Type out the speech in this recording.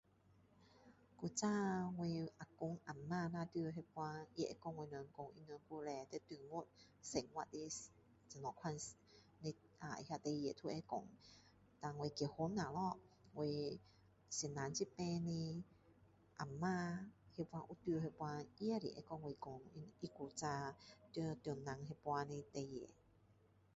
以前我啊公啊婆还在的时候他们会跟我们讲他们以前在中国怎样的事情都会跟我们讲然后我结婚后我老公这边的啊婆那时有在的时候她也是也会跟我讲她在中国的时候的事情